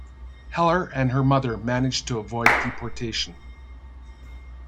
Heller and her mother managed to avoid deportation.